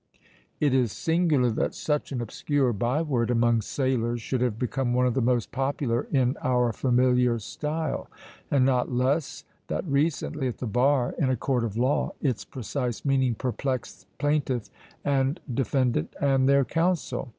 '" It is singular that such an obscure byword among sailors should have become one of the most popular in our familiar style; and not less, that recently at the bar, in a court of law, its precise meaning perplexed plaintiff and defendant and their counsel.